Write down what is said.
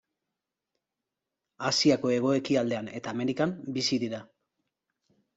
Asiako hego-ekialdean eta Amerikan bizi dira.